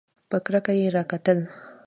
په کرکه یې راکتل !